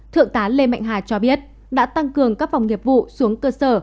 thượng tá lê mạnh hà cho biết đã tăng cường các phòng nghiệp vụ xuống cơ sở